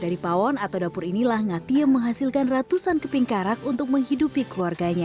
dari pawon atau dapur inilah ngati yang menghasilkan ratusan keping karak untuk menghidupi keluarganya